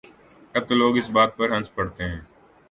اب تو لوگ اس بات پر ہنس پڑتے ہیں۔